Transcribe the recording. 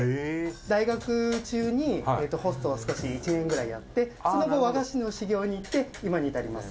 大学中にホストを少し、１年ぐらいやってその後、和菓子の修業に行って今に至ります。